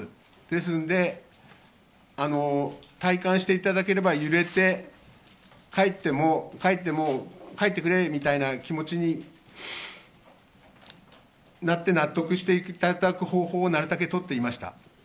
ですんで、体感していただければ揺れて、帰って、もう帰ってくれみたいな気持ちになって、納得していただく方法をなるたけ取っていました。